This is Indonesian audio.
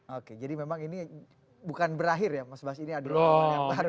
oke jadi memang ini bukan berakhir ya mas bas ini adalah awal yang baru